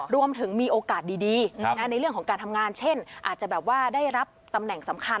มีโอกาสดีในเรื่องของการทำงานเช่นอาจจะแบบว่าได้รับตำแหน่งสำคัญ